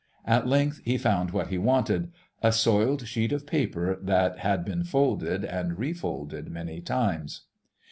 At length he found what he wanted, a soiled sheet of paper that had been folded and refolded many times.